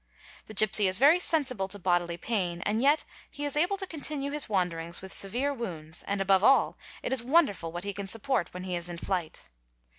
The gipsy is very sensible to bodily pain, and yet he is able to continue his wanderings || with severe wounds and above all it is wonderful what he can support when he is in flight.